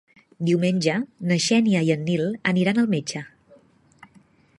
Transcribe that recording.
Diumenge na Xènia i en Nil aniran al metge.